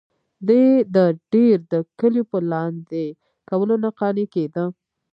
دی د دیر د کلیو په لاندې کولو نه قانع کېده.